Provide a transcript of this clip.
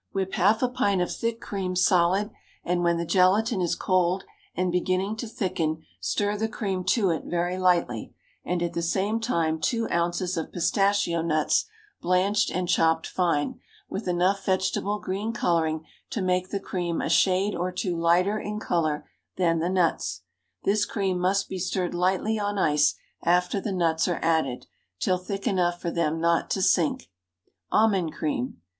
Whip half a pint of thick cream solid, and when the gelatine is cold and beginning to thicken stir the cream to it very lightly, and at the same time two ounces of pistachio nuts, blanched and chopped fine, with enough vegetable green coloring to make the cream a shade or two lighter in color than the nuts. This cream must be stirred lightly on ice after the nuts are added, till thick enough for them not to sink. _Almond Cream.